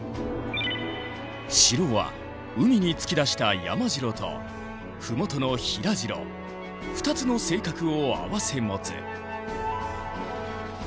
城は海に突き出した山城と麓の平城２つの性格を合わせ持つ。